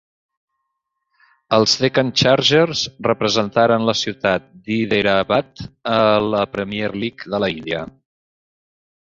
Els Deccan Chargers representaren la ciutat d'Hyderabad a la Premier League de la Índia.